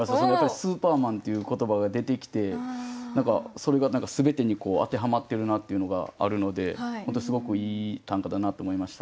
スーパーマンっていう言葉が出てきてそれが全てに当てはまってるなっていうのがあるので本当にすごくいい短歌だなと思いました。